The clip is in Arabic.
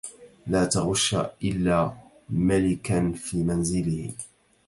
لا تغش إلا ملكا في منزلِه